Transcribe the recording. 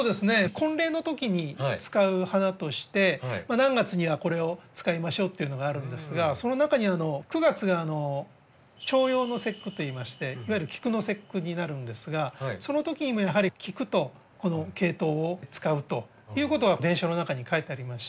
婚礼のときに使う花として何月にはこれを使いましょうっていうのがあるんですがその中に９月が「重陽の節句」といいましていわゆるキクの節句になるんですがそのときにもやはりキクとこのケイトウを使うということは伝書の中に書いてありまして。